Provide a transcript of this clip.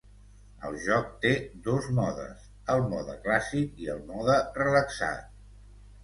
El joc té dos modes, el mode clàssic i el mode relaxat.